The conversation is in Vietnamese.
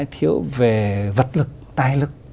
thiếu về vật lực tài lực